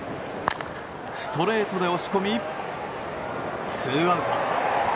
ストレートで押し込みツーアウト。